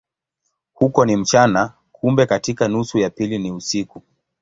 Huko ni mchana, kumbe katika nusu ya pili ni usiku.